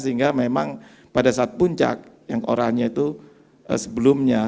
sehingga memang pada saat puncak yang oranye itu sebelumnya